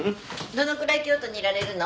どのくらい京都にいられるの？